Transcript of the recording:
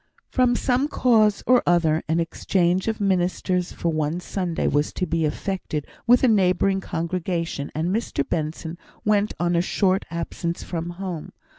From some cause or other, an exchange of ministers for one Sunday was to be effected with a neighbouring congregation, and Mr Benson went on a short absence from home.